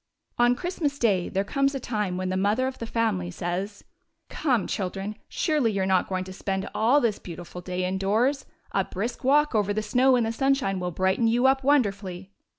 On Christmas day there comes a time when the mother of the family says :" Come, children, surely you 're not going to spend all this beautiful day indoors. A brisk walk over the snow in the sunshine will brighten you up wonderfully."